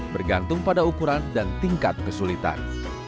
bergantung pada ukuran dan tingkat kesulitan